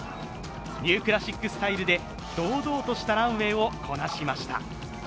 ニュークラシックスタイルで堂々としたランウェイをこなしました。